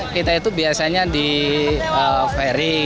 kita itu biasanya di ferry